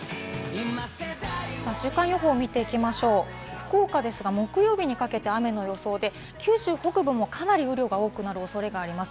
福岡ですが、木曜日にかけて雨の予想で、九州北部もかなり雨量が多くなるおそれがあります。